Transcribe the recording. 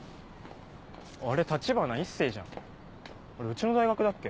あれ橘一星じゃんうちの大学だっけ？